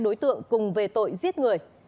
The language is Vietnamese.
hai đối tượng cùng về tội giết người